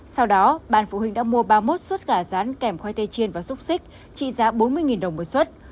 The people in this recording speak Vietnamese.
sau đó ban phụ huynh đã mua ba mươi một suất gà rán kèm khoai tây chiên và xúc xích trị giá bốn mươi đồng một suất